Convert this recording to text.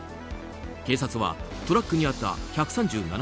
警察はトラックにあった１３７箱